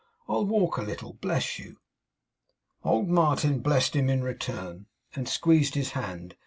I'll walk a little. Bless you!' Old Martin blessed him in return, and squeezed his hand.